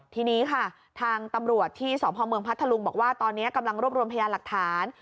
ทีนี้ค่ะทางตำรวจที่สพเมืองพัทธลุงบอกว่าตอนนี้กำลังรวบรวมพยานหลักฐาน